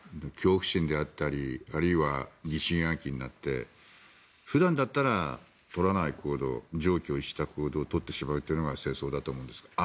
恐怖心であったりあるいは疑心暗鬼になって普段だったら取らない行動常軌を逸した行動を取ってしまうというのが戦争だと思うんです。